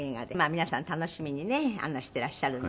皆さん楽しみにねしていらっしゃるんで。